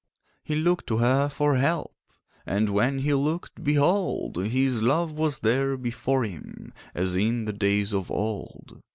He looked to her for help, And when he looked—behold! His love was there before him As in the days of old.